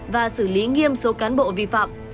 và xử lý nghiêm số cán bộ vi phạm